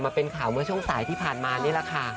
เป็นข่าวเมื่อช่วงสายที่ผ่านมานี่แหละค่ะ